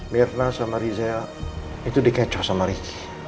mirna sama rizal itu dikecoh sama ricky